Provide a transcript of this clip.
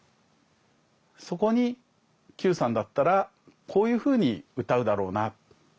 そこに九さんだったらこういうふうに歌うだろうな。